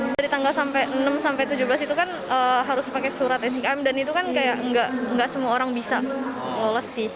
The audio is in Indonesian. dari tanggal enam sampai tujuh belas itu kan harus pakai surat sikm dan itu kan kayak nggak semua orang bisa lolos sih